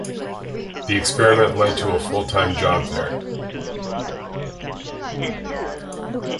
The experiment led to a full-time job there.